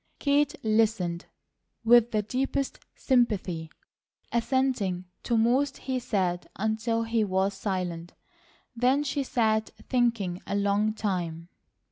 Kate listened with the deepest sympathy, assenting to most he said until he was silent. Then she sat thinking a long time.